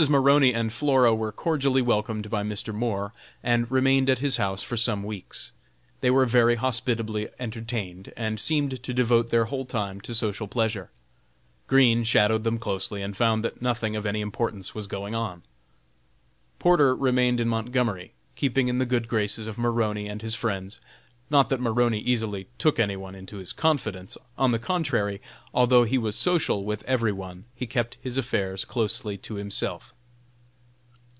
Maroney and Flora were cordially welcomed by Mr. Moore and remained at his house for some weeks. They were very hospitably entertained and seemed to devote their whole time to social pleasures. Green shadowed them closely and found that nothing of any importance was going on. Porter remained in Montgomery, keeping in the good graces of Maroney and his friends, not that Maroney easily took any one into his confidence; on the contrary, although he was social with every one, he kept his affairs closely to himself.